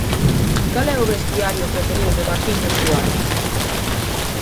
E cal é o Bestiario preferido de Martiño Suárez?